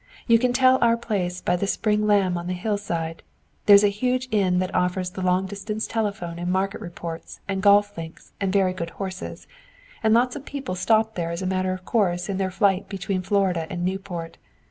You can tell our place by the spring lamb on the hillside. There's a huge inn that offers the long distance telephone and market reports and golf links and very good horses, and lots of people stop there as a matter of course in their flight between Florida and Newport.